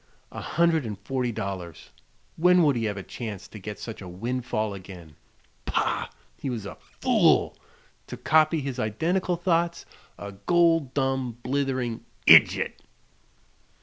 A hundred and forty dollars; When would he have a chance to get such a windfall again? Pah! he was a fool to copy his identical thoughts: "a gol dum blithering idjit!"